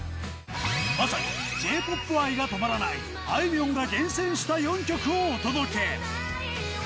まさにＪーＰＯＰ愛が止まらないあいみょんが厳選した４曲をお届